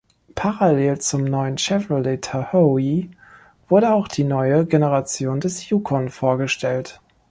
Parallel zum neuen Chevrolet Tahoe wurde auch die neue Generation des Yukon vorgestellt.